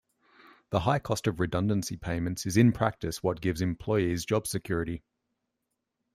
The high cost of redundancy payments is in practice what gives employees job security.